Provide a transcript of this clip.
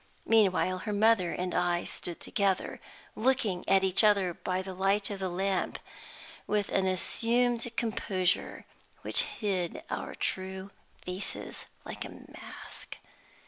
Meanwhile her mother and I stood together, looking at each other by the light of the lamp, with an assumed composure which hid our true faces like a mask.